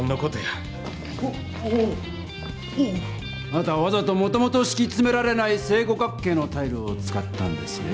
あなたはわざともともとしきつめられない正五角形のタイルを使ったんですね。